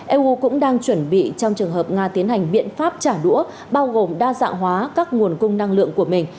eu cũng đang chuẩn bị trong trường hợp nga tiến hành biện pháp trả đũa bao gồm đa dạng hóa các nguồn cung năng lượng của mình